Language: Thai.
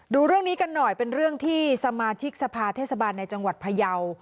ดูเรื่องนี้กันหน่อยเป็นเรื่องที่สมาชิกสภาเทศบาลในจังหวัดพยาว